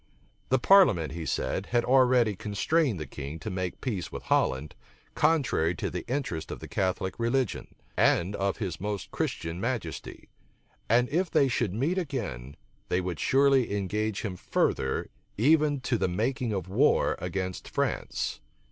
The parliament, he said, had already constrained the king to make peace with Holland, contrary to the interests of the Catholic religion, and of his most Christian majesty: and if they should meet again, they would surely engage him further, even to the making of war against France.